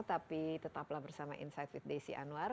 tapi tetaplah bersama insight with desi anwar